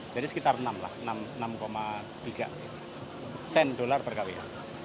jadi sekitar enam lah enam tiga sen dolar per kawin